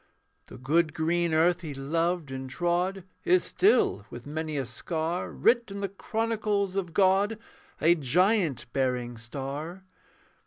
The good green earth he loved and trod Is still, with many a scar, Writ in the chronicles of God, A giant bearing star.